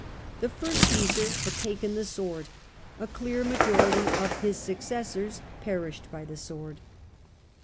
The first Csesar ''had taken the sword'' — a clear majority of his successors " perished by the sword."